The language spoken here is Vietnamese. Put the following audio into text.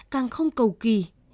càng không cầu kỳ